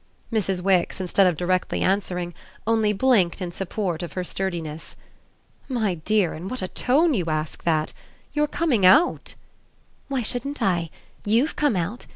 Mrs. Wix, instead of directly answering, only blinked in support of her sturdiness. "My dear, in what a tone you ask that! You're coming out." "Why shouldn't I? YOU'VE come out.